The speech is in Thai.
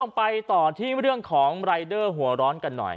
ไปต่อที่เรื่องของรายเดอร์หัวร้อนกันหน่อย